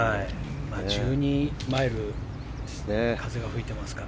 １２マイルの風が吹いていますから。